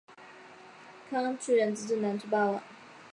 康楚元自称南楚霸王。